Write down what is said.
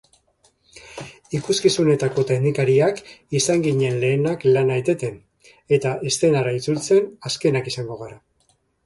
Ikuskizunetako teknikariak izan ginen lehenak lana eteten eta eszenara itzultzen azkenak izango gara.